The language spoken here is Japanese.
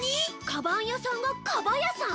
「カバン」屋さんが「カバ」屋さん！？